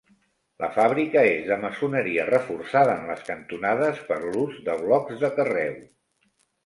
La fàbrica és de maçoneria reforçada en les cantonades per l'ús de blocs de carreu.